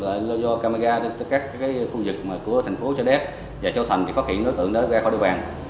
là do camera các khu vực của thành phố châu đéc và châu thành thì phát hiện đối tượng đã ra khỏi địa phương